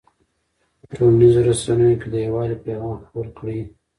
په ټولنیزو رسنیو کې د یووالي پیغام خپور کړئ.